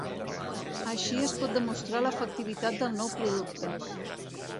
Així es pot demostrar l’efectivitat del nou producte.